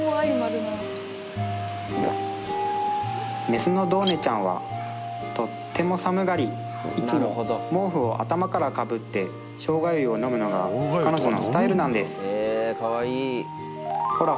メスのドーネちゃんはとっても寒がりいつも毛布を頭からかぶって生姜湯を飲むのが彼女のスタイルなんですほら